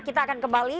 kita akan kembali